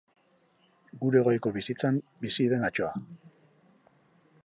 Gure goiko bizitzan bizi den atsoa.